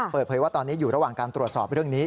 เปิดเผยว่าตอนนี้อยู่ระหว่างการตรวจสอบเรื่องนี้